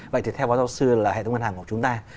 vậy thì theo phó giáo sư là hệ thống ngân hàng của chúng ta